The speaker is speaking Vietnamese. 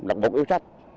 là bụng yêu sách